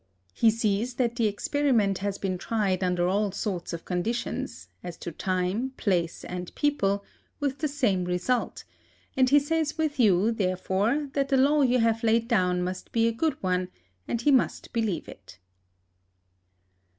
He sees that the experiment has been tried under all sorts of conditions, as to time, place, and people, with the same result; and he says with you, therefore, that the law you have laid down must be a good one, and he must believe it.